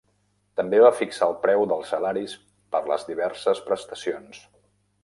També va fixar el preu dels salaris per les diverses prestacions.